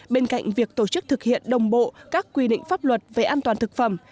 bên cạnh việc tổ chức thực hiện đồng bộ các quy định pháp luật về an toàn thực phẩm